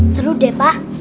seru deh pak